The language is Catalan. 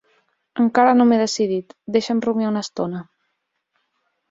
Encara no m'he decidit: deixa'm rumiar una estona.